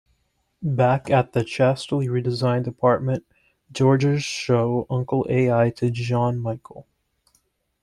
Back at the chastely redesigned apartment, Georges shows "Uncle Al" to Jean-Michel.